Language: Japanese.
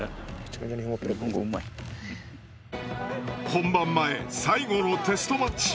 本番前最後のテストマッチ。